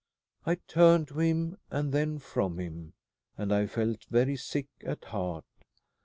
I turned to him and then from him, and I felt very sick at heart.